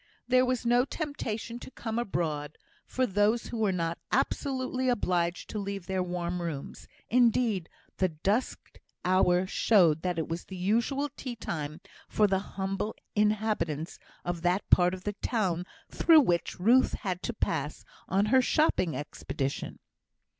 There was no temptation to come abroad, for those who were not absolutely obliged to leave their warm rooms; indeed, the dusk hour showed that it was the usual tea time for the humble inhabitants of that part of the town through which Ruth had to pass on her shopping expedition.